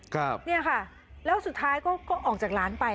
ครับเนี่ยค่ะแล้วสุดท้ายก็ออกจากร้านไป